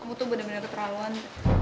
kamu tuh bener bener keterlaluan